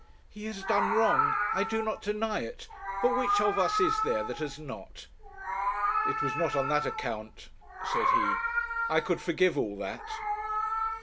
He has done wrong; I do not deny it; but which of us is there that has not?' 'It was not on that account,' said he; 'I could forgive all that.'